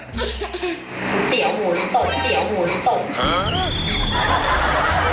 สีเหยียวหมูนตกสีเหยียวหมูนตก